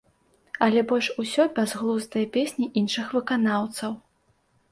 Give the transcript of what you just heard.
Але больш усё бязглуздыя песні іншых выканаўцаў.